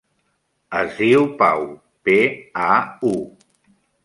Es diu Pau: pe, a, u.